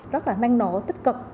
rất là năng nổ tích cực